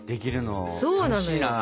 そうなのよ。